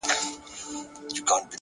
هره ناکامي پټ درس لري!